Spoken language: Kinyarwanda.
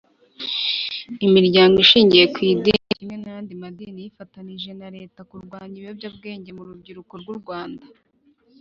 imiryango ishingiye ku Idini kimwe n ayandi madini yifataniije na leta kurwanya ibiyobyabwenge murubyiruko rwu Rwanda.